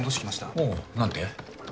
おお何て？